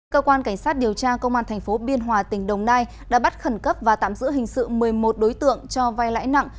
cơ quan cảnh sát điều tra công an tp biên hòa tỉnh đồng nai đã bắt khẩn cấp và tạm giữ hình sự một mươi một đối tượng cho vai lãi nặng